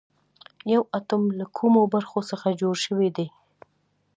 یو اتوم له کومو برخو څخه جوړ شوی دی